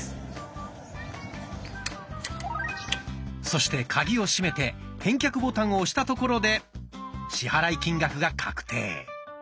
そしてカギを閉めて返却ボタンを押したところで支払い金額が確定。